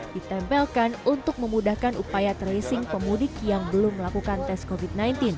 ditempelkan untuk memudahkan upaya tracing pemudik yang belum melakukan tes covid sembilan belas